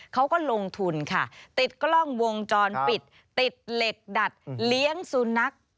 เขาก็ลงทุนค่ะติดกล้องวงจรปิดติดเหล็กดัดเลี้ยงสุนัข